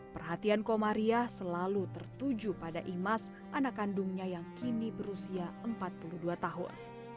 perhatian komariah selalu tertuju pada imas anak kandungnya yang kini berusia empat puluh dua tahun